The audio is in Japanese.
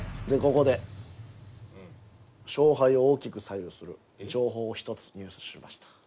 ここで勝敗を大きく左右する情報を１つ入手しました。